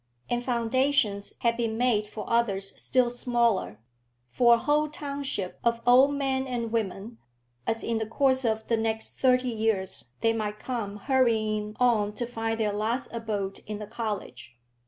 And foundations had been made for others still smaller, for a whole township of old men and women, as in the course of the next thirty years they might come hurrying on to find their last abode in the college.